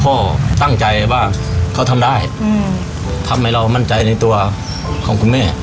พ่อตั้งใจว่าเขาทำได้อืมทำให้เรามั่นใจในตัวของคุณแม่